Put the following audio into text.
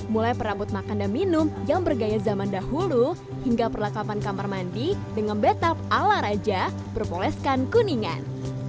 mulai perabot makan dan minum yang bergaya zaman dahulu hingga perlengkapan kamar mandi dengan battop ala raja berpoleskan kuningan